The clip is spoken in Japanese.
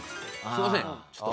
すいませんちょっと。